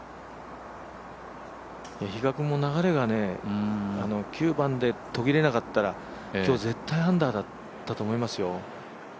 比嘉君も流れが９番で途切れなかったら今日、絶対アンダーだったと思いますよ。